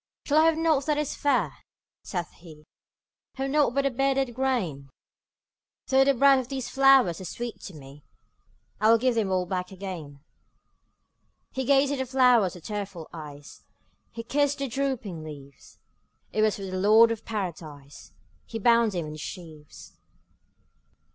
``Shall I have nought that is fair?'' saith he; ``Have nought but the bearded grain? Though the breath of these flowers is sweet to me, I will give them all back again.'' He gazed at the flowers with tearful eyes, He kissed their drooping leaves; It was for the Lord of Paradise He bound them in his sheaves.